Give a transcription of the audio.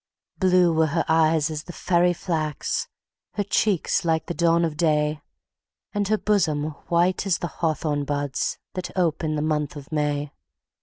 Blue were her eyes as the fairy flax, Her cheeks like the dawn of day, And her bosom white as the hawthorn buds The ope in the month of May.